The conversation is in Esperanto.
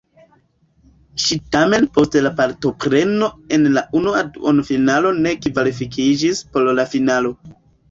Ŝi tamen post la partopreno en la unua duonfinalo ne kvalifikiĝis por la finalo.